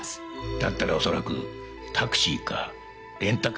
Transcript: だったら恐らくタクシーかレンタカーだ。